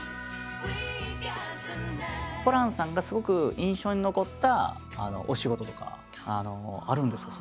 ホランさんがすごく印象に残ったお仕事とかあるんですか？